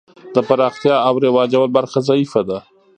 د پراختیا او رواجول برخه ضعیفه ده.